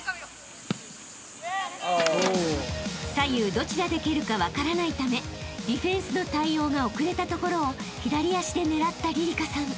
［左右どちらで蹴るか分からないためディフェンスの対応が遅れたところを左足で狙ったりりかさん］